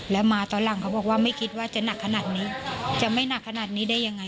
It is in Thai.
แล้วมาตอนหลังเขาบอกว่าไม่คิดว่าจะหนักขนาดนี้จะไม่หนักขนาดนี้ได้ยังไง